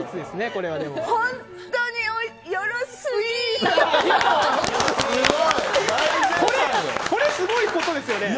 これ、すごいことですよね。